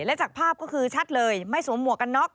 และจากภาพก็คือชัดเลยไม่สวมหมวกกันน็อก